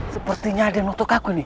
sepustinya ada yang nontok aku nih